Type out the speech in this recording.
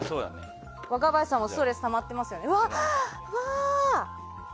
若林さんもストレスたまってますよね。